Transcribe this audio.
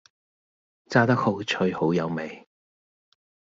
炸得好脆好有味